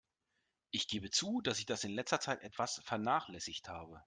Ich gebe zu, dass ich das in letzter Zeit etwas vernachlässigt habe.